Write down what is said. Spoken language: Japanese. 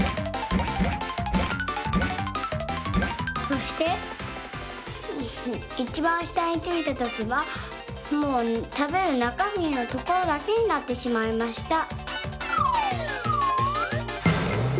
そしていちばんしたについたときはもうたべるなかみのところだけになってしまいました。